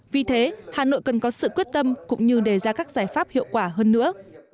vì thế hà nội cần có sự quyết tâm cũng như đề ra các giải pháp hiệu quả hơn nữa